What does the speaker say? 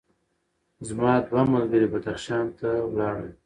زما دوه ملګري بدخشان ته لاړل.